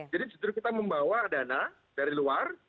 jadi kita membawa dana dari luar